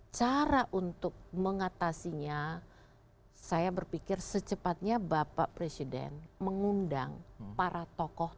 cara untuk mengatasinya saya berpikir secepatnya bapak presiden mengundang para tokoh